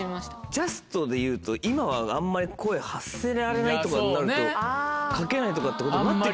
ジャストで言うと今はあんまり声発せられないとかになるとかけないとかってことになって来るのかな？